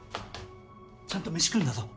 ちゃんと飯食うんだぞ。